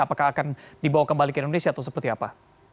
apakah akan dibawa kembali ke indonesia atau seperti apa